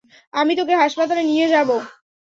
আমি তোকে হাসপাতালে নিয়ে যাবো।